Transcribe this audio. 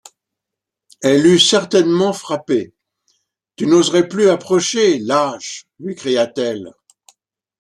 Elle eût certainement frappé. — Tu n’oserais plus approcher, lâche! lui cria-t-elle.